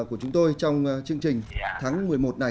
của chúng tôi trong chương trình tháng một mươi một này